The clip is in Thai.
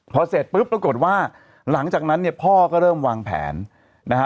พอเสร็จปุ๊บปรากฏว่าหลังจากนั้นเนี่ยพ่อก็เริ่มวางแผนนะฮะ